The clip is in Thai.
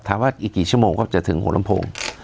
ว่าอีกกี่ชั่วโมงก็จะถึงหัวลำโพง